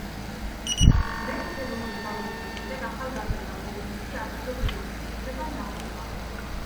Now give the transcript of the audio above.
მეხუთე ნომრის გამოსვლის შემდეგ „ახალგაზრდა კომუნისტი“ ადგილობრივმა ხელისუფლებამ დახურა.